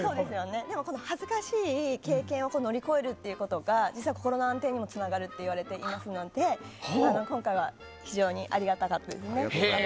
でも恥ずかしいという経験を乗り越えるということが実は心の安定にもつながるといわれていますので今回は非常にありがたかったです。